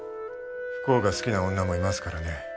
不幸が好きな女もいますからね。